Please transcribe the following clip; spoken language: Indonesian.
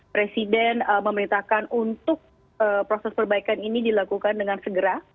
presiden memerintahkan untuk proses perbaikan ini dilakukan dengan segera